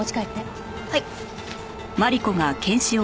はい。